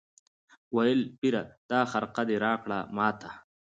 ویل پیره دا خرقه دي راکړه ماته